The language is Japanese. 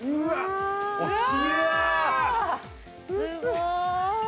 すごーい！